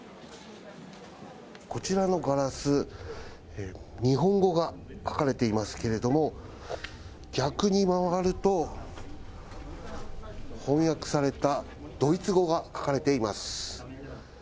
こちらのガラス、日本語が書かれていますけれども、逆に回ると、翻訳されたドイツ語が書かれています。